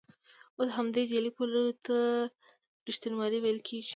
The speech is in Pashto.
اوس همدې جعلي پولو ته ریښتینولي ویل کېږي.